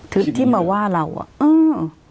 ที่มาว่าเราอ่ะอืม